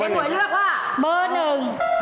เจ๊หน่วยเรื่องล่ะพ่อ